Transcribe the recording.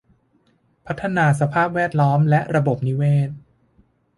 พัฒนาสภาพแวดล้อมและระบบนิเวศ